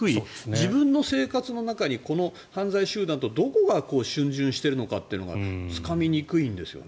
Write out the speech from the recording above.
自分の生活の中にこの犯罪集団とどこがしゅん巡しているのかというのがつかみにくいんですよね。